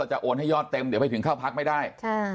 จะโอนให้ยอดเต็มเดี๋ยวไปถึงเข้าพักไม่ได้